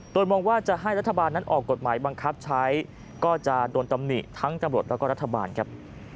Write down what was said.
โดยมองว่าจะให้รัฐบาลนั้นออกกฎหมายบังคับใช้ก็จะโดนตำหนิทั้งตำรวจแล้วก็รัฐบาลครับ